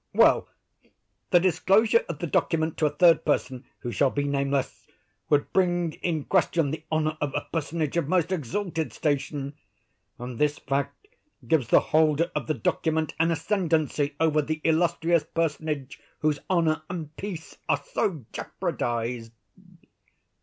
Well; the disclosure of the document to a third person, who shall be nameless, would bring in question the honor of a personage of most exalted station; and this fact gives the holder of the document an ascendancy over the illustrious personage whose honor and peace are so jeopardized."